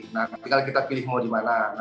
nah tinggal kita pilih mau dimana